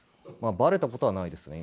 バレたことはないですね